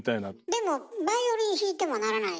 でもバイオリン弾いてもならないでしょ？